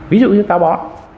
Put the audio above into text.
ví dụ như tao bỏ